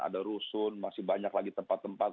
ada rusun masih banyak lagi tempat tempat